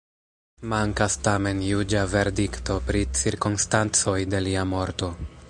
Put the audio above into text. Mankas tamen juĝa verdikto pri cirkonstancoj de lia morto.